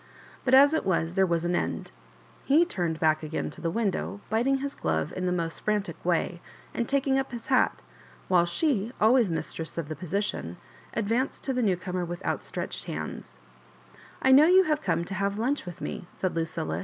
But as it was, there was an end. Be turned back ^pxa to the window, biting his glove in the most fran tic way, and taking up his hat, while <Ae, always mistress of the position, advanced to the new comer with outstretched handsw ^ I know you have come to have lunch with me," said Lucilla.